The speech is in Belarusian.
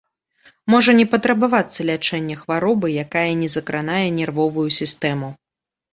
Можа не патрабавацца лячэнне хваробы, якая не закранае нервовую сістэму.